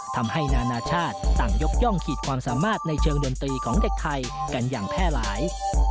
ทำให้นานาชาติต่างยกย่องขีดความสามารถในเชิงดนตรีของเด็กไทยกันอย่างแพร่หลาย